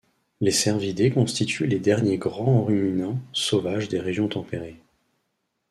Les cervidés constituent les derniers grands ruminants sauvages des régions tempérées.